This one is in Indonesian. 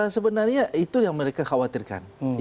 sebenarnya itu yang mereka khawatirkan